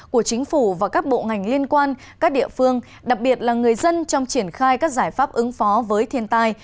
của chính phủ và các bộ ngành liên quan các địa phương đặc biệt là người dân trong triển khai các giải pháp ứng phó với thiên tai